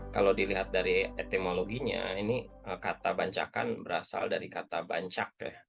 kalau dilihat dari etimologinya ini kata bancakan berasal dari kata bancak ya